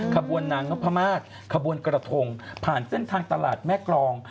ขบวนนางนพมาศขบวนกระทงผ่านเส้นทางตลาดแม่กรอง